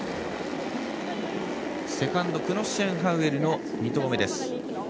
セカンド、クノッシェンハウエルの２投目です。